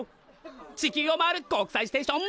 地球を回る国際ステーション！